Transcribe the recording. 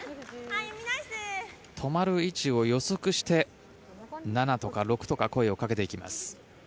止まる位置を予測して７とか６とか声をかけていきます。